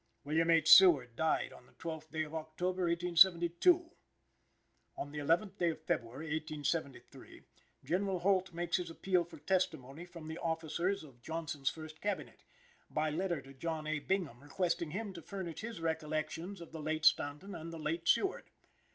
William H. Seward died on the 12th day of October, 1872. On the 11th day of February, 1873, Gen. Holt makes his appeal for testimony from the officers of Johnson's first Cabinet, by letter to John A. Bingham, requesting him to furnish his recollections of the late Stanton and the late Seward.